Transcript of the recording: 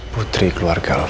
putri keluarga alvari